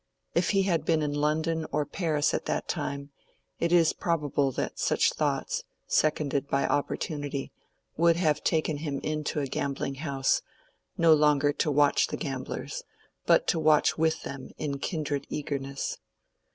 If he had been in London or Paris at that time, it is probable that such thoughts, seconded by opportunity, would have taken him into a gambling house, no longer to watch the gamblers, but to watch with them in kindred eagerness.